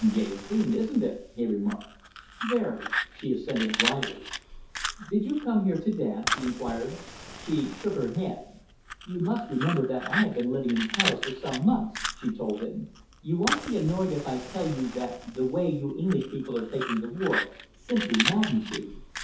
"Gay scene, isn't it?" he remarked. "Very!" she assented drily. "Do you come here to dance?" he inquired. She shook her head. "You must remember that I have been living in Paris for some months," she told him. "You won't be annoyed if I tell you that the way you English people are taking the war simply maddens me.